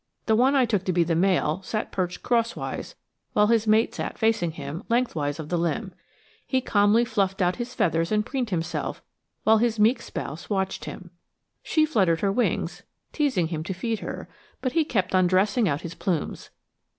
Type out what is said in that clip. The one I took to be the male sat perched crosswise, while his mate sat facing him, lengthwise of the limb. He calmly fluffed out his feathers and preened himself, while his meek spouse watched him. She fluttered her wings, teasing him to feed her, but he kept on dressing out his plumes.